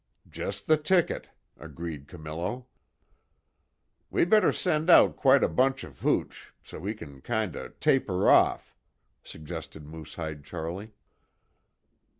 "Just the ticket," agreed Camillo. "We better send out quite a bunch of hooch. So he can kind of taper off," suggested Moosehide Charlie.